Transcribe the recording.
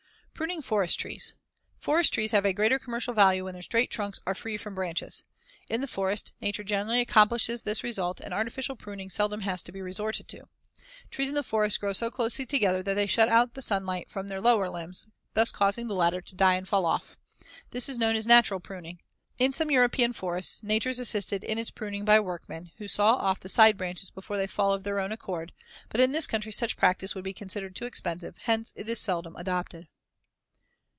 Pruning forest trees: Forest trees have a greater commercial value when their straight trunks are free from branches. In the forest, nature generally accomplishes this result and artificial pruning seldom has to be resorted to. Trees in the forest grow so closely together that they shut out the sunlight from their lower limbs, thus causing the latter to die and fall off. This is known as natural pruning. In some European forests, nature is assisted in its pruning by workmen, who saw off the side branches before they fall of their own accord; but in this country such practice would be considered too expensive, hence it is seldom adopted.